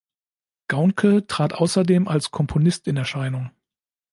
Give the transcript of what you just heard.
Graunke trat außerdem als Komponist in Erscheinung.